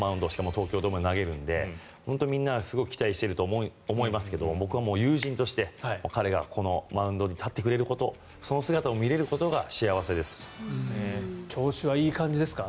東京ドームで投げるのでみんなすごい期待していると思いますけど僕は友人として彼がこのマウンドに立ってくれることその姿を見られることが調子はいい感じですか？